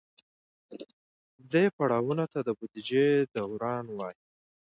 دې پړاوونو ته د بودیجې دوران وایي.